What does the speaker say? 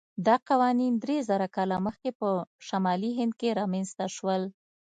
دا قوانین درېزره کاله مخکې په شمالي هند کې رامنځته شول.